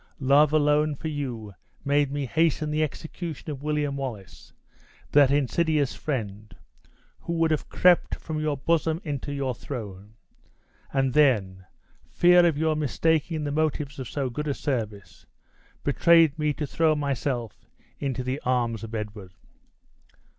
Love alone for you made me hasten the execution of William Wallace, that insidious friend, who would have crept from your bosom into your throne. And then, fear of your mistaking the motives of so good a service, betrayed me to throw myself into the arms of Edward!"